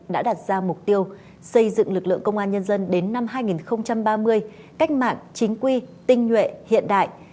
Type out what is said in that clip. đã đặt ra mục tiêu xây dựng lực lượng công an nhân dân đến năm hai nghìn ba mươi cách mạng chính quy tinh nhuệ hiện đại